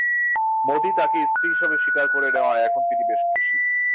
মোদি তাঁকে স্ত্রী হিসেবে স্বীকার করে নেওয়ায় এখন তিনি বেশ খুশি।